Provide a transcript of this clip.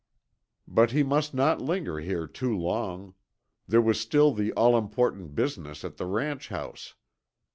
But he must not linger here too long. There was still the all important business at the ranch house.